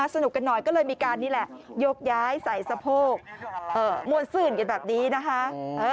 สนุกกันหน่อยก็เลยมีการนี่แหละยกย้ายใส่สะโพกมวลซื่นกันแบบนี้นะคะ